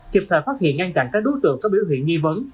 kịp thời phát hiện ngang trạng các đối tượng có biểu hiện nghi vấn